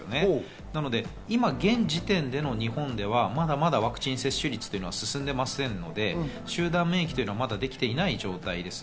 なので今、現時点での日本では、まだまだワクチン接種率が進んでませんので、集団免疫ができていない状態です。